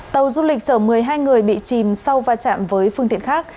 tàu du lịch chở một mươi hai người bị chìm sau va chạm với phương tiện khác